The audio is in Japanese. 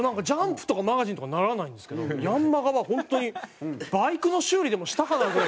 『ジャンプ』とか『マガジン』とかはならないんですけど『ヤンマガ』は本当にバイクの修理でもしたかな？